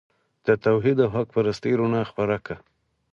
د توحید او حق پرستۍ رڼا خپره کړه.